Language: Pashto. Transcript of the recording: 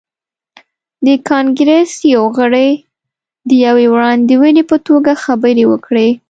د کانګریس یو غړي د یوې وړاندوینې په توګه خبرې وکړې.